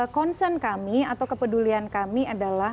concern kami atau kepedulian kami adalah